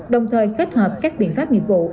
đồng thời kết hợp các biện pháp nghiệp vụ